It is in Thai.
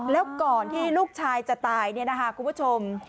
แล้วก่อนที่ลูกชายจะตายเนี่ยนะคะคุณผู้ชม